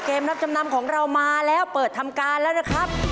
รับจำนำของเรามาแล้วเปิดทำการแล้วนะครับ